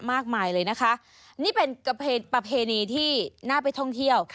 มากมายเลยนะคะนี่เป็นประเพณีที่น่าไปท่องเที่ยว